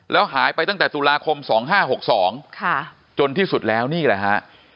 แล้วหายไปตั้งแต่ตุลาคม๒๕๖๒จนที่สุดแล้วนี่แหละฮะ